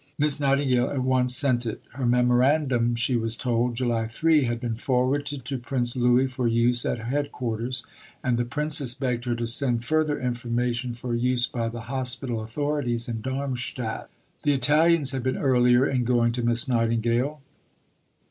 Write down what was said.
Miss Nightingale at once sent it. Her Memorandum, she was told (July 3), had been forwarded to Prince Louis for use at Headquarters, and the Princess begged her to send further information for use by the hospital authorities in Darmstadt. The Italians had been earlier in "going to Miss Nightingale."